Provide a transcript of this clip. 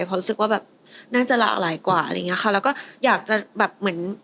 เพราะรู้สึกว่าแบบน่าจะหลากหลายกว่าอะไรอย่างเงี้ค่ะแล้วก็อยากจะแบบเหมือน